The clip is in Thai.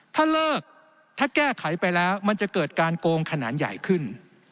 ถ้าเลิกถ้าแก้ไขไปแล้วมันจะเกิดการโกงขนาดใหญ่ขึ้น